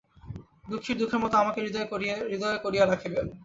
দুঃখীর দুঃখের মতো আমাকে হৃদয়ে করিয়া রাখিবেন।